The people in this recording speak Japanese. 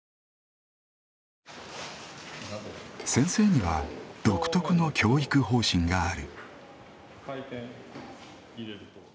先生には独特の教育方針がある。